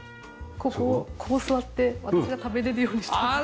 ここをここ座って私が食べれるようにして。